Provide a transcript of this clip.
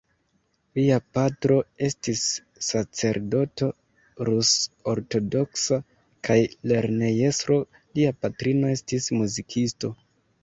Lia patro estis sacerdoto rus-ortodoksa kaj lernejestro; lia patrino estis muzikisto.